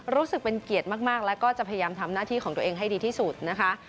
รู้สึกเป็นเกียรติมากแล้วก็จะพยายามทำหน้าที่ของตัวเองให้ดีที่สุดนะคะ